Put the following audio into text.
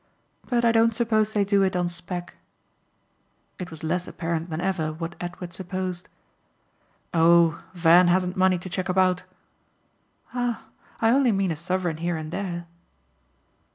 "But I don't suppose they do it on spec." It was less apparent than ever what Edward supposed. "Oh Van hasn't money to chuck about." "Ah I only mean a sovereign here and there."